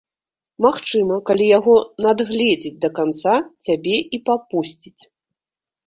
Магчыма, калі яго надгледзець да канца, цябе і папусціць.